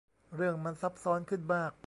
เรื่องมันซับซ้อนขึ้นมาก